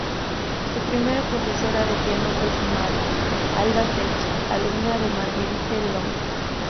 Su primera profesora de piano fue su madre, Alda Cecchi, alumna de Marguerite Long.